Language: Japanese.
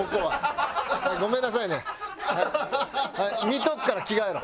見とくから着替えろ！